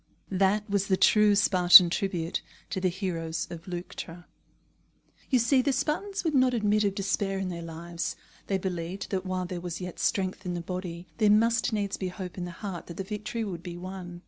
That was the true Spartan tribute to the heroes of Leuctra. You see, the Spartans would not admit of despair in their lives; they believed that while there was yet strength in the body, there must needs be hope in the heart that the victory would be won.